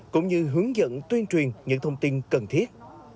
cũng như hướng dẫn tuyên truyền những thông tin cần thiết